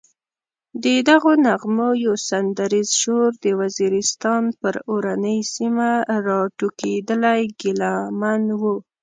ددغو نغمو یو سندریز شور د وزیرستان پر اورنۍ سیمه راټوکېدلی ګیله من و.